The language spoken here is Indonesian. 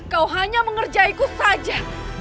kau hanya mengerjai ku saja